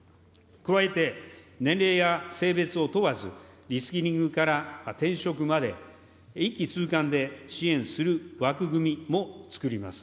加えて、年齢や性別を問わず、リスキリングから転職まで、一気通貫で支援する枠組みも作ります。